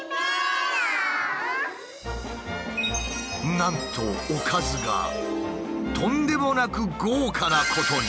なんとおかずがとんでもなく豪華なことに。